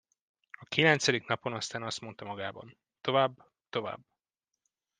A kilencedik napon aztán azt mondta magában: Tovább, tovább!